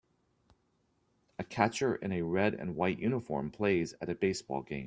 A catcher in a red and white uniform plays at a baseball game.